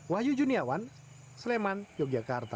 wahyu juniawan sleman yogyakarta